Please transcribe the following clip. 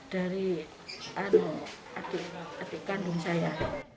dari adik kandung saya